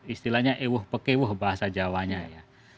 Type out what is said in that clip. istilahnya ewah pekewah bahasa jawanya ya